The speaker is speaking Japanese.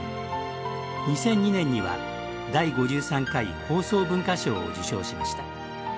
２００２年には第５３回放送文化賞を受賞しました。